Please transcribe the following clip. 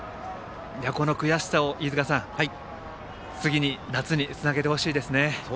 この悔しさを次に夏につなげてほしいですね。